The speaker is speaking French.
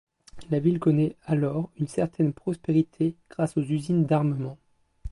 La ville connaît alors une certaine prospérité grâce aux usines d’armement.